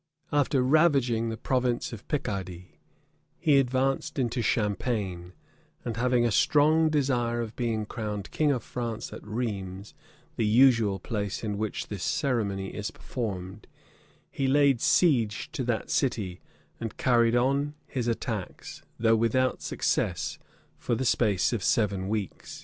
After ravaging the province of Picardy, he advanced into Champagne; and having a strong desire of being crowned king of France at Rheims, the usual place in which this ceremony is performed, he laid siege to that city, and carried on his attacks, though without success, for the space of seven weeks.